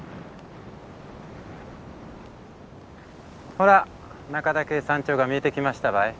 ほら中岳山頂が見えてきましたばい。